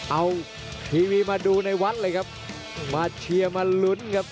เอาทีวีมาดูในวัดเลยครับมาเชียร์มาลุ้นครับ